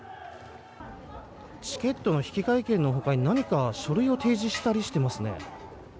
チケットの引換券の他に何か書類を提示したりしていますね。